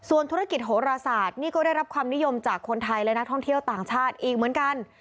ส่วนธุรกิจโหราศาสตร์นี่ก็ได้รับความนิยมจากคนไทยและนักท่องเที่ยวต่างชาติอีกเหมือนกัน